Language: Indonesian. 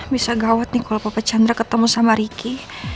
bisa gawat nih kalau papa chandra ketemu sama riki